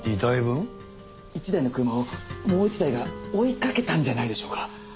１台の車をもう１台が追いかけたんじゃないでしょうか。